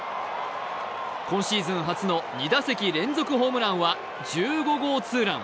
今シーズン初の２打席連続ホームランは１５号ツーラン。